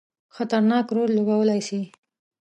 خطرناک رول لوبولای شي.